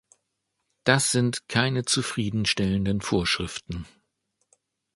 Das sind keine zufriedenstellenden Vorschriften.